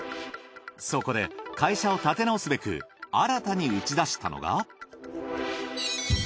そこで会社を立て直すべく新たに打ち出したのが。